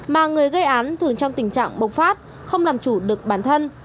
mà người gây án thường trong tình trạng bộc phát không làm chủ được bản thân